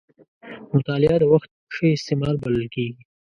مطالعه د وخت ښه استعمال بلل کېږي.